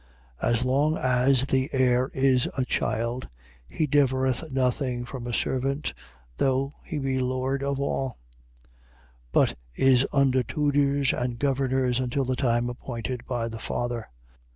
4:1. As long as the heir is a child, he differeth nothing from a servant, though he be lord of all, 4:2. But is under tutors and governors until the time appointed by the father.